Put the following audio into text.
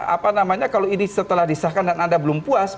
apa namanya kalau ini setelah disahkan dan anda belum puas